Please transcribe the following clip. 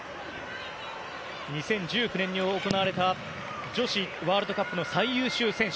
２０１９年に行われた女子ワールドカップの最優秀選手。